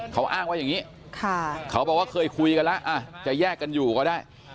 เขาอ้างว่าอย่างนี้เขาบอกว่าเคยคุยกันแล้วจะแยกกันอยู่ก็ได้